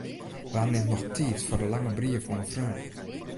Wa nimt noch tiid foar in lange brief oan in freon?